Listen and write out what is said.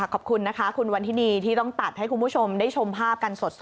ขอบคุณนะคะคุณวันทินีที่ต้องตัดให้คุณผู้ชมได้ชมภาพกันสด